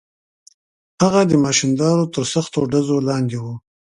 هغه هم د ماشیندارو تر سختو ډزو لاندې و.